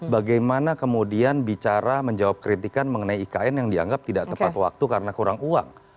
bagaimana kemudian bicara menjawab kritikan mengenai ikn yang dianggap tidak tepat waktu karena kurang uang